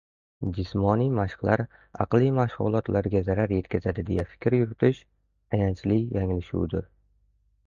Jismoniy mashqlar aqliy mashg‘ulotlarga zarar yetkazadi, deya fikr yuritish ayanchli yanglishuvdir!